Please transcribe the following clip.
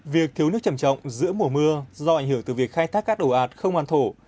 việc thiếu nước trầm trọng giữa mùa mưa do ảnh hưởng từ việc khai thác các đồ ạt không hoàn thổ